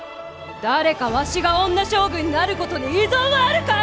誰かわしが女将軍になることに異存はあるかえ！